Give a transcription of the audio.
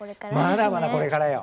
まだまだこれからよ